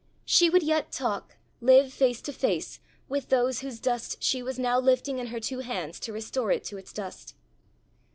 She would yet talk, live face to face, with those whose dust she was now lifting in her two hands to restore it to its dust.